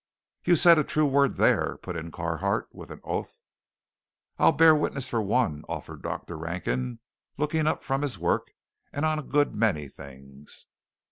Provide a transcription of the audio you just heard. "You said a true word there," put in Carhart with an oath. "I'll bear witness for one," offered Dr. Rankin, looking up from his work, "and on a good many things."